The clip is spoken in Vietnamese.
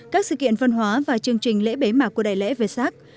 các sự kiện văn hóa và chương trình lễ bế mạc của đại lễ vê sác